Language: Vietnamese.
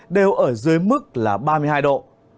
đều ở dưới mức là ba mươi hai độ